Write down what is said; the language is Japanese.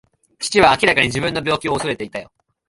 父は明らかに自分の病気を恐れていた。